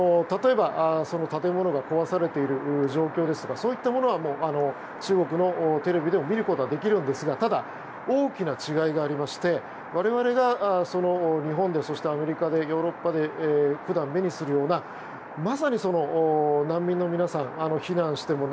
例えば、建物が壊されている状況ですとかそういったものは中国のテレビでも見ることはできるんですがただ、大きな違いがありまして我々が日本でそして、アメリカでヨーロッパで普段目にするようなまさに難民の皆さん避難して、